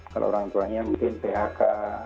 kalau orang tuanya mungkin phk